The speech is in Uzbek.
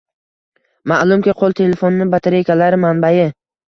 Maʼlumki, qoʻl telefoni bakteriyalar manbai.